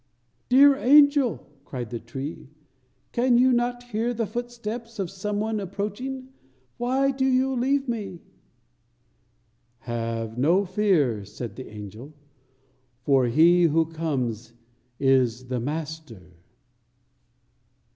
"Dear angel," cried the tree, "can you not hear the footsteps of some one approaching? Why do you leave me?" "Have no fear," said the angel; "for He who comes is the Master."